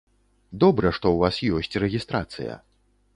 Добра, што ў вас ёсць рэгістрацыя.